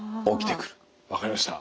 分かりました。